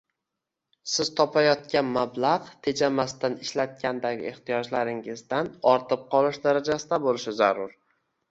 Siz topayotgan mablag’ tejamasdan ishlatgandagi ehtiyojlaringizdan ortib qolish darajasida bo’lishi zarur